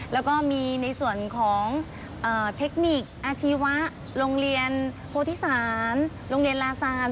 แล้วก็มีในส่วนของเทคนิคอาชีวะโรงเรียนโพธิศาลโรงเรียนลาศาสตร์